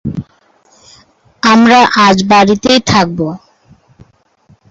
আমরা আজ বাড়িতেই থাকব।